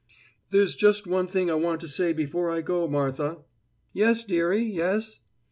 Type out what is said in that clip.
"There's just one thing I want to say before I go, Martha." "Yes, dearie, yes?"